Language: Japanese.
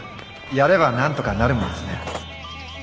やればなんとかなるもんですね。